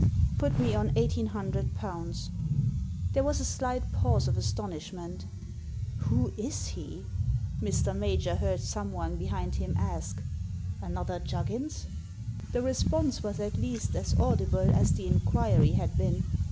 " Put me on eighteen hundred pounds." There was a slight pause of astonishment "Who is he?" Mr. Major heard someone behind him ask. ''Another Juggins !" The response was at least as audible as the inquiry had been.